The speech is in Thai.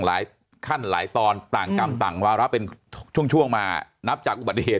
หลายขั้นหลายตอนต่างกรรมต่างวาระเป็นช่วงมานับจากอุบัติเหตุ